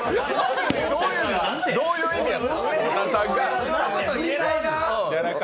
どういう意味や？